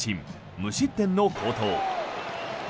無失点の好投。